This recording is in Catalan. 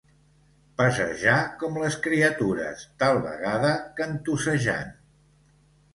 Passejar com les criatures, tal vegada cantussejant.